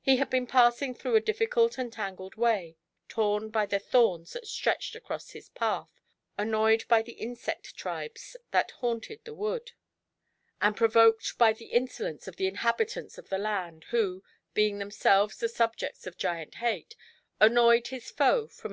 He had been passing through a difiicult and tangled way, torn by the thorns that stretched across his path, annoyed by the insect tribes that haunted the wood, and provoked by the in solence of the inhabitants of the land, who, being them selves the subjects of Giant Hate, annoyed his foe from 9.